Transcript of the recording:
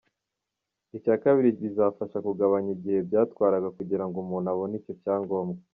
Icya kabiri bizafasha kugabanya igihe byatwaraga kugira ngo umuntu abone icyo cyangombwa.